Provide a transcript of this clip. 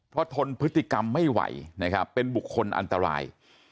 เพราะทนพฤติกรรมไม่ไหวนะครับเป็นบุคคลอันตราย